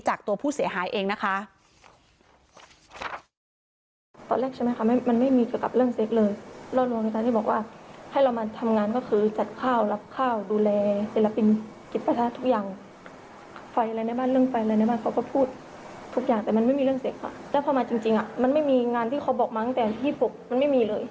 จากตัวผู้เสียหายเองนะคะ